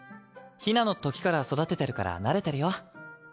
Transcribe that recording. ヒナのときから育ててるから慣れてるよ。